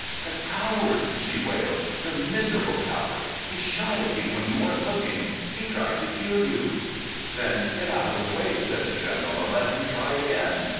"The coward!" she wailed. "The miserable coward! He shot at you when you weren't looking. He tried to kill you!" "Then get out of the way," said the General, "and let him try again.